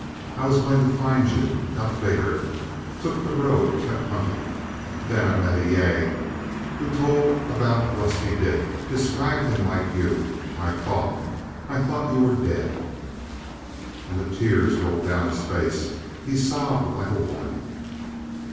I was going to find you. Got bigger. Took the road. Kept hunting. Then I met a yegg who told about Rusty Dick described him like you I thought I thought you were dead!" And the tears rolled down his face; he sobbed like a woman.